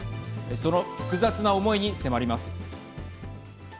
その複雑な思いに迫ります。